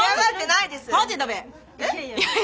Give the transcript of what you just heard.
いやいや。